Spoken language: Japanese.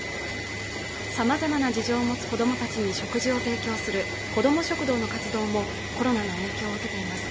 さまざまな事情を持つ子どもたちに食事を提供するこども食堂の活動もコロナの影響を受けています